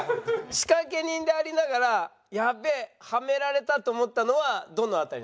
仕掛け人でありながら「やべえはめられた」と思ったのはどの辺り？